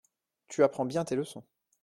Tu apprends bien tes leçons.